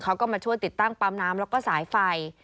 เขาก็มาช่วยติดตั้งปั๊มน้ำแล้วก็สายไฟ